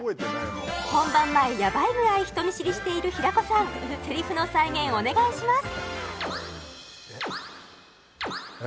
本番前ヤバいぐらい人見知りしている平子さんセリフの再現お願いします